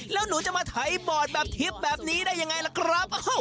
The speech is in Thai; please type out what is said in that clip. แล้วหนูจะมาไถบอร์ดแบบทิพย์แบบนี้ได้ยังไงล่ะครับ